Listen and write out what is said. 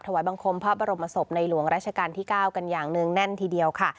ถวัยบังคมพระบรมศพในหลวงรัชกาลที่เก้ากันอย่างหนึ่งแน่นทีเดียวค่ะ